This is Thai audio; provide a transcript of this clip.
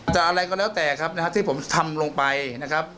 อะไรก็แล้วแต่ครับนะฮะที่ผมทำลงไปนะครับ